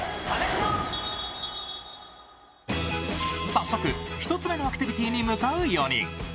さっそく１つ目のアクティビティーに向かう４人。